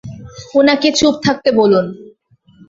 উনাকে চুপ থাকতে বলুন।